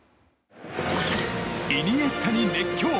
イニエスタに熱狂！